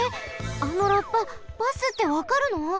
あのラッパバスってわかるの！？